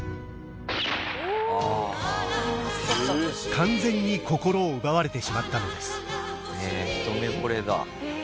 完全に心を奪われてしまったのですへえ一目惚れだ。